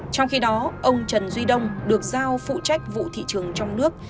trong khi đó ông trần duy đông được giao phụ trách vụ thị trường trong nước